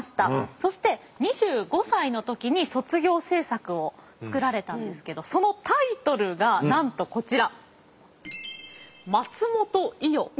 そして２５歳の時に卒業制作を作られたんですけどそのタイトルがなんとこちら。